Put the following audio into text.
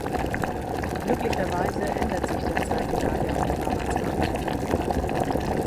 Glücklicherweise ändert sich derzeit die Lage auf dem Arbeitsmarkt.